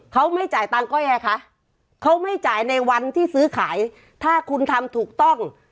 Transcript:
เขาไม่จ่ายตังค์ก็ยังไงคะเขาไม่จ่ายในวันที่ซื้อขายถ้าคุณทำถูกต้อง